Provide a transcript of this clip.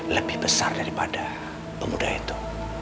lebih besar daripada pemuda itu